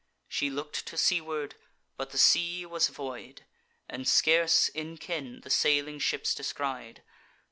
She look'd to seaward; but the sea was void, And scarce in ken the sailing ships descried.